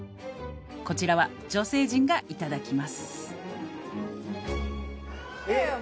「こちらは女性陣がいただきます」えっ？